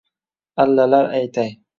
Allalar aytay.